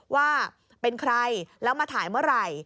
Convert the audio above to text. ว่าเป็นใครแล้วมาถ่ายเมื่อไหร่